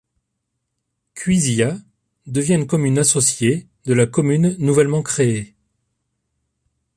Cuisiat devient une commune associée de la commune nouvellement créée.